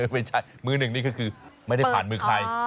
ไม่ใช่มือหนึ่งนี่ก็คือไม่ได้ผ่านมือใคร